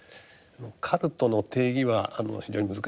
カルトの定義は非常に難しいと。